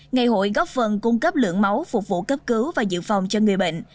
ngày hội góp phần cung cấp lượng máu phục vụ cấp cứu và dự phòng cho người bệnh